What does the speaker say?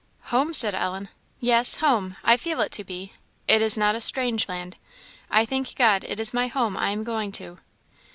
"Home?" said Ellen. "Yes, home, I feel it to be; it is not a strange land; I thank God it is my home I am going to."